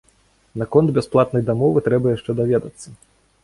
Наконт бясплатнай дамовы трэба яшчэ даведацца.